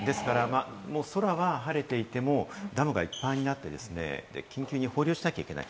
空は晴れていてもダムがいっぱいになって、緊急に放流しなきゃいけない。